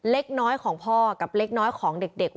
เล็กน้อยของพ่อกับเล็กน้อยของเด็ก